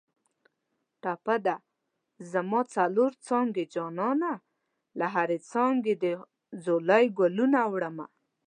ټپه ده: زما څلور څانګې جانانه له هرې څانګې دې ځولۍ ګلونه وړمه